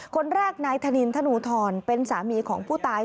คนแรกนายธนินธนูทรเป็นสามีของผู้ตาย